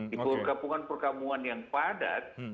di pergabungan pergabungan yang padat